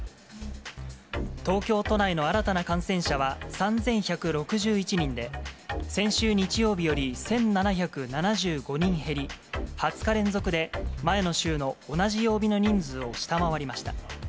東京都内の新たな感染者は３１６１人で、先週日曜日より１７７５人減り、２０日連続で前の週の同じ曜日の人数を下回りました。